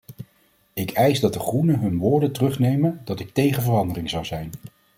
Ik eis dat de groenen hun woorden terugnemen dat ik tegen verandering zou zijn.